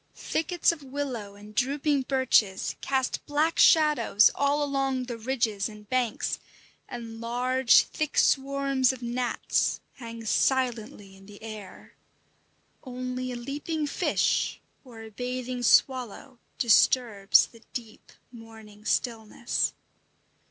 Thickets of willow and drooping birches cast black shadows all along the ridges and banks, and large, thick swarms of gnats hang silently in the air. Only a leaping fish or a bathing swallow disturbs the deep morning stillness.